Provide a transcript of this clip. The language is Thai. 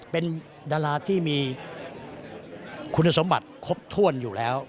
เป็นดาราที่มีคุณสมบัติครบถ้วนอยู่แล้ว